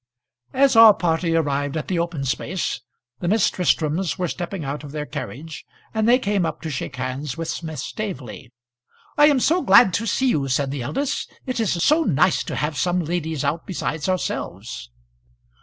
As our party arrived at the open space the Miss Tristrams were stepping out of their carriage, and they came up to shake hands with Miss Staveley. "I am so glad to see you," said the eldest; "it is so nice to have some ladies out besides ourselves."